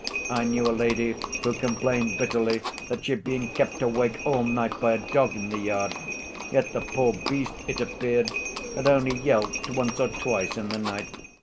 I knew a lady who complained bitterly that she had been kept awake all night by a dog in the yard. Yet the poor beast, it appeared, had only yelped once or twice in the night.